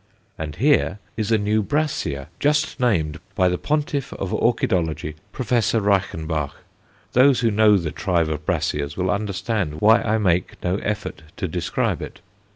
And here is a new Brassia just named by the pontiff of orchidology, Professor Reichenbach. Those who know the tribe of Brassias will understand why I make no effort to describe it.